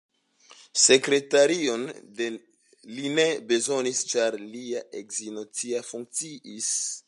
Sekretarion li ne bezonis, ĉar lia edzino tia funkciis.